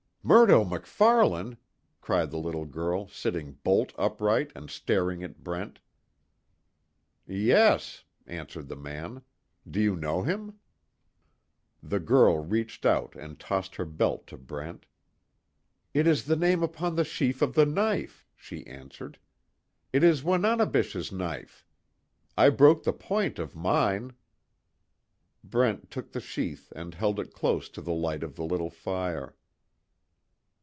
"Murdo MacFarlane!" cried the girl, sitting bolt upright, and staring at Brent. "Yes," answered the man, "Do you know him?" The girl reached out and tossed her belt to Brent. "It is the name upon the sheath of the knife," she answered, "It is Wananebish's knife. I broke the point of mine." Brent took the sheath and held it close to the light of the little fire.